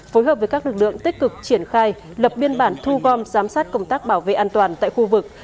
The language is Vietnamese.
phối hợp với các lực lượng tích cực triển khai lập biên bản thu gom giám sát công tác bảo vệ an toàn tại khu vực